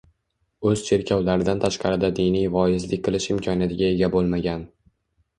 o‘z cherkovlaridan tashqarida diniy voizlik qilish imkoniyatiga ega bo‘lmagan